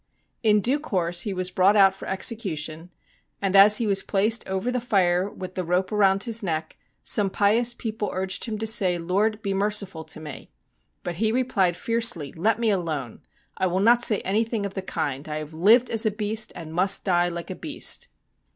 In due course he was brought out for execution, and as he was placed over the fire with the rope round his neck some pious people urged him to say, ' Lord, be merciful to me '; but he replied fiercely, ' Let me alone. I will not say anything of the kind. I have lived as a beast and must die like a beast.'